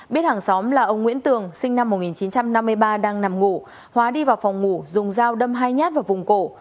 biết hàng xóm là ông nguyễn tường sinh năm một nghìn chín trăm năm mươi ba đang nằm ngủ hóa đi vào phòng ngủ dùng dao đâm hai nhát vào vùng cổ